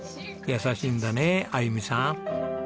優しいんだねあゆみさん。